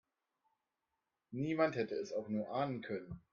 Niemand hätte es auch nur ahnen können.